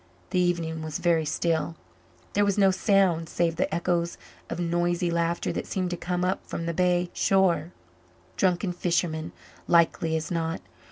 The evening was very still; there was no sound save the echoes of noisy laughter that seemed to come up from the bay shore drunken fishermen, likely as not.